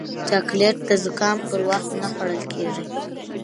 چاکلېټ د زکام پر وخت نه خوړل کېږي.